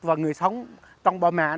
và người sống trong bò mạ